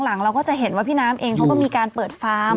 เราก็จะเห็นว่าพี่น้ำเองเขาก็มีการเปิดฟาร์ม